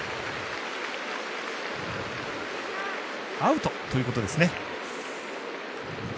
アウトということですね。